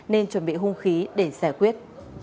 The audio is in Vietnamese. nên chuẩn bị hung khí để giải quyết